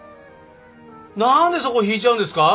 何でそこ引いちゃうんですか？